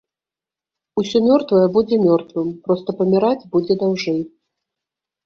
Усё мёртвае будзе мёртвым, проста паміраць будзе даўжэй.